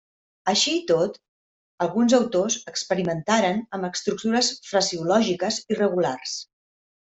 Així i tot, alguns autors experimentaren amb estructures fraseològiques irregulars.